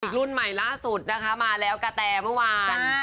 รุ่นใหม่ล่าสุดนะคะมาแล้วกะแตเมื่อวาน